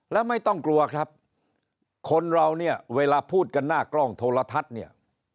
แล้วไม่ต้องกลัวครับคนเราเนี่ยเวลาพูดกันหน้ากล้องโทรทัศน์เนี่ย